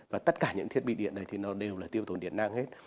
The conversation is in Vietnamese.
và tất cả những thiết bị điện đấy thì nó đều là tiêu tốn điện năng hết